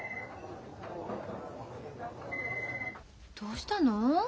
どうしたの？